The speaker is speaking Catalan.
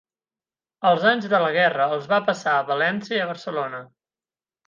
Els anys de la guerra els va passar a València i a Barcelona.